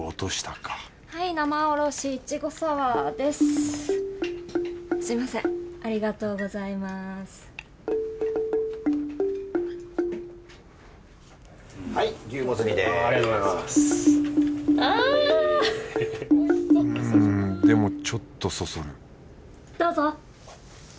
うんでもちょっとそそるどうぞ。